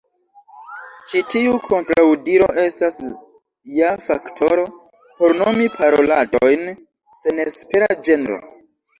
Ĉi tiu kontraŭdiro estas ja faktoro por nomi paroladojn senespera ĝenro.